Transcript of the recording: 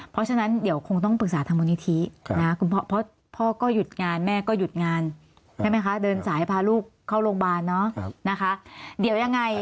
เพราะฉะนั้นเดี๋ยวคงต้องปรึกษาทางมูลนิธินะคุณพ่อก็หยุดงานแม่ก็หยุดงานใช่ไหมคะเดินสายพาลูกเข้าโรงพยาบาลเนาะนะคะเดี๋ยวยังไง